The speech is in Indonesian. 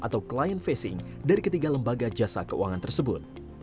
atau client facing dari ketiga lembaga jasa keuangan tersebut